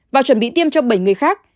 và chuẩn bị tiêm cho bảy người khác